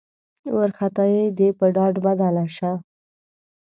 وارخطايي دې په ډاډ بدله شي.